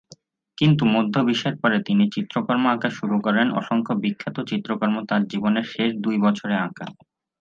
কিন্তু মধ্য বিশের পরে তিনি চিত্রকর্ম আঁকা শুরু করেন অসংখ্য বিখ্যাত চিত্রকর্ম তার জীবনের শেষ দুই বছরে আঁকা।